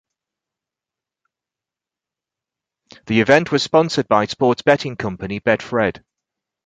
The event was sponsored by sports betting company Betfred.